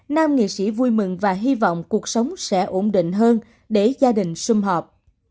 nam nghệ sĩ vui mừng và hy vọng cuộc sống sẽ ổn định hơn để gia đình xung họp